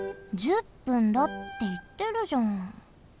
１０分だっていってるじゃん。